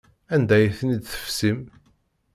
Anda ay ten-id-tefsim?